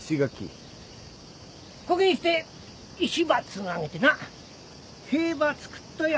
こげんして石ばつんあげてな塀ば造っとよ。